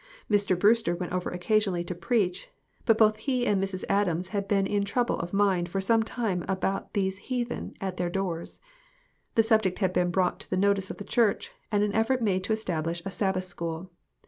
Mr. Brewster went over occasionally to preach, but both he and Mrs. Adams had been in trouble of mind for some time about these heathen at their doors. The subject had been brought to the notice of the church, and an effort made to establish a Sabbath School.